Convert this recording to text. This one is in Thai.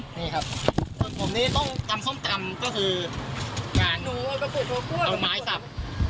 ส่วนผมต้องตำส้มตำก็คือการเอาไม้สับ